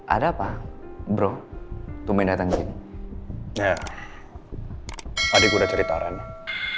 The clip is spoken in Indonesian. ada apa bro tumen datangin ya tadi udah cerita renang